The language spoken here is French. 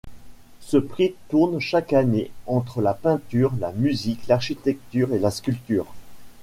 Ce prix tourne chaque année entre la peinture, la musique, l'architecture et la sculpture.